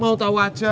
mau tau aja